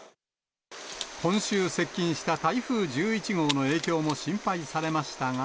今週接近した台風１１号の影響も心配されましたが。